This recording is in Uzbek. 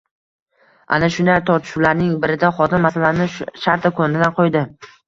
Ana shunday tortishuvlarning birida xotin masalani shartta koʻndalang qoʻydi